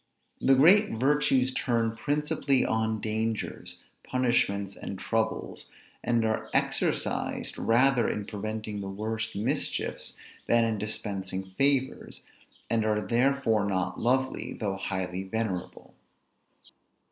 The great virtues turn principally on dangers, punishments, and troubles, and are exercised, rather in preventing the worst mischiefs, than in dispensing favors; and are therefore not lovely, though highly venerable.